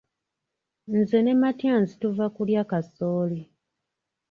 Nze ne Matyansi tuva kulya kasooli.